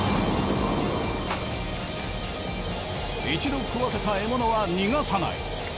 一度喰わせた獲物は逃がさない。